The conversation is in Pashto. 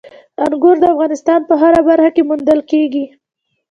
انګور د افغانستان په هره برخه کې موندل کېږي.